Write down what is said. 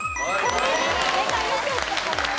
正解です。